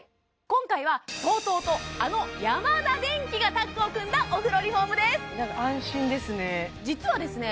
今回はＴＯＴＯとあのヤマダデンキがタッグを組んだお風呂リフォームですなんか安心ですね実はですね